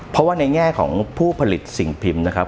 เพราะว่าในแง่ของผู้ผลิตสิ่งพิมพ์นะครับ